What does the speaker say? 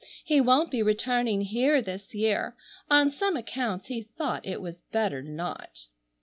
He won't be returning here this year. On some accounts he thought it was better not."